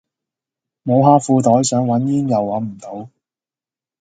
摸下褲袋想搵煙又搵唔到